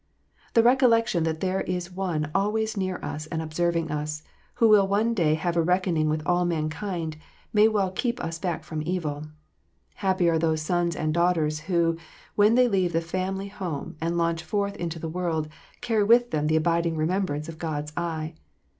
The recollection that there is One always near us and observing us, who will one day have a reckoning with all mankind, may well keep us back from evil. Happy are those sons and daughters who, when they leave the family home, and launch forth into the world, carry with them the abiding remembrance of God s eye.